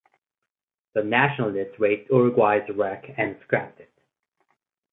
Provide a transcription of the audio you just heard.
The Nationalists raised "Uruguay"s wreck and scrapped it.